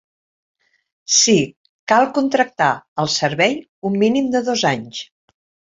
Sí, cal contractar el servei un mínim de dos anys.